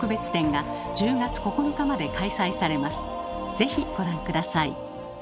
是非ご覧下さい。